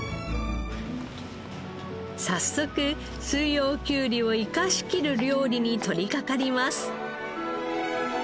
早速四葉きゅうりを生かしきる料理に取りかかります。